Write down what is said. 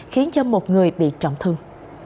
khiến một người bị trọng thương